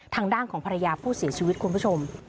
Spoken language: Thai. ทางด้านของภรรยาผู้เสียชีวิตคุณผู้ชม